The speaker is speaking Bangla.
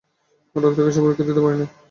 আটক থাকায় সে পরীক্ষা দিতে পারেনি।